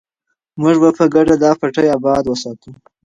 موږ به په ګډه دا پټی اباد وساتو.